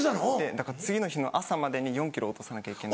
だから次の日の朝までに４ｋｇ落とさなきゃいけなくて。